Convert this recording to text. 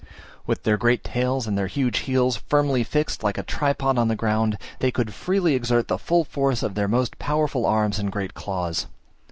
With their great tails and their huge heels firmly fixed like a tripod on the ground, they could freely exert the full force of their most powerful arms and great claws.